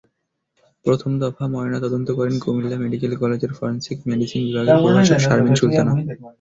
প্রথম দফা ময়নাতদন্ত করেন কুমিল্লা মেডিকেল কলেজের ফরেনসিক মেডিসিন বিভাগের প্রভাষক শারমিন সুলতানা।